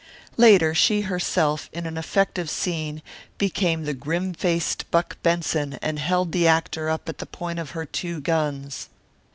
Later she herself, in an effective scene, became the grimfaced Buck Benson and held the actor up at the point of her two guns.